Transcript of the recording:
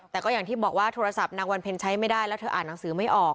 แต่ก็อย่างที่บอกว่าโทรศัพท์นางวันเพ็ญใช้ไม่ได้แล้วเธออ่านหนังสือไม่ออก